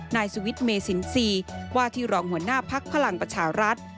นายสุวิทย์เมซินซีวาธิรองหัวหน้าพักพลังประชารัฐ